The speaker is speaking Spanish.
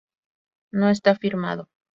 No está firmado.